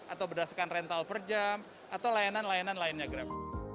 atau berdasarkan rental per jam atau layanan layanan lainnya grab